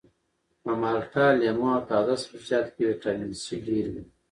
په مالټه لیمو او تازه سبزیجاتو کې ویټامین سي ډیر وي